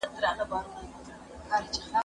نه لحاظ کړي د قاضیانو کوټوالانو